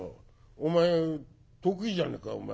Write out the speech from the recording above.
お前得意じゃねえか。